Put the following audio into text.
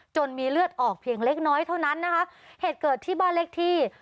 มีเลือดออกเพียงเล็กน้อยเท่านั้นนะคะเหตุเกิดที่บ้านเล็กที่